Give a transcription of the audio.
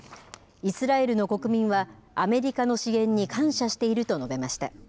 イスラエルの国民は、アメリカの支援に感謝していると述べました。